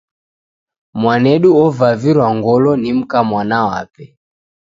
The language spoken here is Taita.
Mwanedu ovavirwa ngolo ni mka mwana wape.